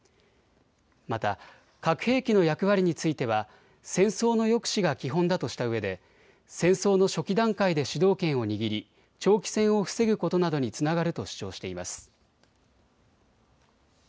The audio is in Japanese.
また核兵器の役割については戦争の抑止が基本だとしたうえで戦争の初期段階で主導権を握り長期戦を防ぐことなどにつながると主張しています。